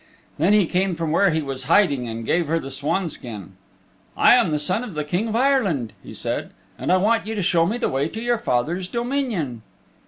Then he came from where he was hiding and gave her the swanskin. "I am the Son of the King of Ireland," he said, "and I want you to show me the way to your father's dominion."